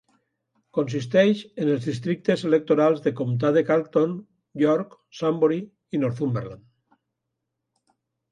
Consisteix en els districtes electorals de comtat de Carleton, York, Sunbury i Northumberland.